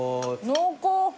濃厚。